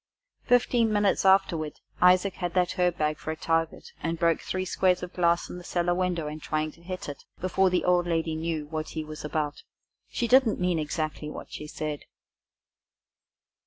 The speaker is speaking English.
Fifteen minutes afterward Isaac had that herb bag for a target, and broke three squares of glass in the cellar window in trying to hit it, before the old lady knew what he was about. She didn't mean exactly what she said.